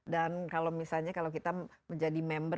dan kalau misalnya kalau kita menjadi member